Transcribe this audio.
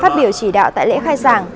phát biểu chỉ đạo tại lễ khai giảng